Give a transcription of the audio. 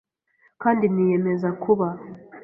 Kandi niyemeze kuba